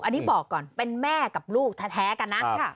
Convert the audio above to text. อันนี้บอกก่อนเป็นแม่กับลูกแท้กันนะ